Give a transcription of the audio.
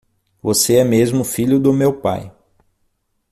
Você é mesmo filho do meu pai.